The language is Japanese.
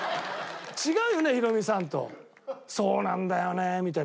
「違うよねヒロミさん」と「そうなんだよね」みたいな。